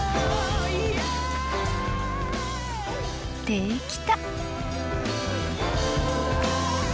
できた！